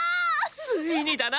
ついにだな！